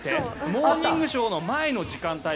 「モーニングショー」の前の時間帯